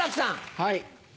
はい。